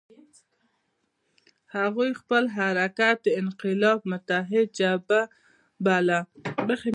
هغوی خپل حرکت د انقلاب متحده جبهه باله.